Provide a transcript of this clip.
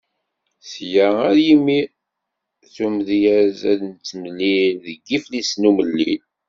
Sya ar yimir, s umedyez ad d-nettmlil deg Yiflisen Umellil.